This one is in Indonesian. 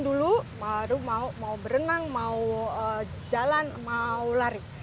jadi stretching dulu mau berenang mau jalan mau lari